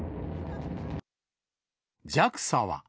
ＪＡＸＡは。